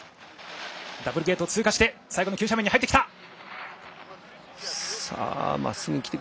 ダブルゲートを通過して最後の急斜面に入ってきた。